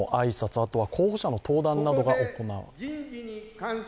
あとは候補者の登壇などが行われます。